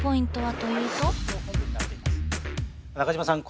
中島さん